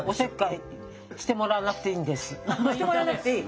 私してもらわなくていい？